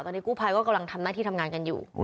ตอนนี้กู้ภัยก็กำลังทำหน้าที่ทำงานกันอยู่